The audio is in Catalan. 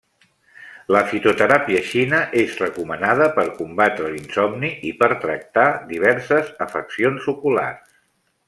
En la fitoteràpia xina és recomanada per combatre l'insomni i per tractar diverses afeccions oculars.